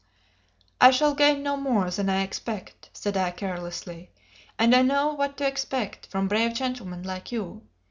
"I shall gain no more than I expect," said I, carelessly. "And I know what to expect from brave gentlemen like you!